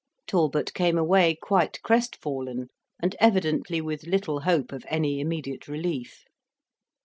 Talbot came away quite crest fallen, and evidently with little hope of any immediate relief.